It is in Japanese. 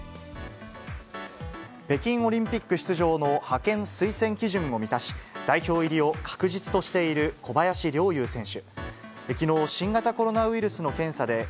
北京オリンピック出場の派遣推薦基準を満たし、代表入りを確実としている小林陵ゆう選手。